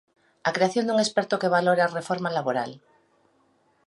A creación dun experto que valore a reforma laboral.